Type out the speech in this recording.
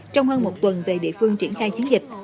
trong hơn một tuần về địa phương triển khai chiến dịch